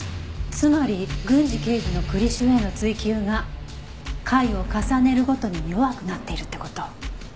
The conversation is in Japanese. つまり郡司刑事の栗城への追及が回を重ねるごとに弱くなっているって事。